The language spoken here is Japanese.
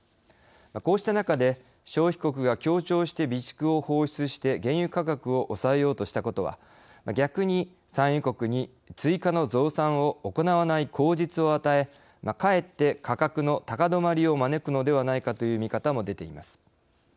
こうした中で消費国が協調して備蓄を放出して原油価格を抑えようとしたことは逆に産油国に追加の増産を行わない口実を与えかえって価格の高止まりを招くのではないかという見方も出ています。